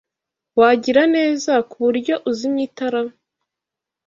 Wagira neza kuburyo uzimya itara?